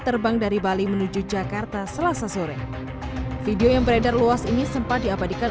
terbang dari bali menuju jakarta selasa sore video yang beredar luas ini sempat diabadikan